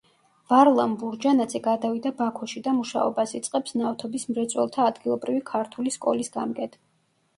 ვარლამ ბურჯანაძე გადავიდა ბაქოში და მუშაობას იწყებს ნავთობის მრეწველთა ადგილობრივი ქართული სკოლის გამგედ.